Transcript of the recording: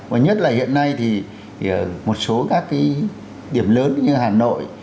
và nhất là hiện nay thì một số các cái điểm lớn như hà nội